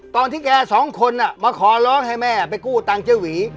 แกสองคนมาขอร้องให้แม่ไปกู้ตังค์เจ๊หวี